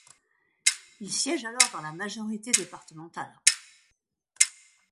Il siège alors dans la majorité départementale.